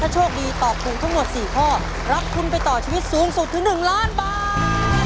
โชคดีตอบถูกทั้งหมด๔ข้อรับทุนไปต่อชีวิตสูงสุดถึง๑ล้านบาท